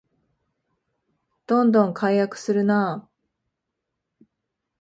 どんどん改悪するなあ